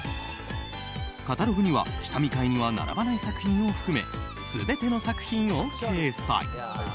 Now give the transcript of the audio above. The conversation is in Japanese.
カタログには下見会には並ばない作品を含め全ての作品を掲載。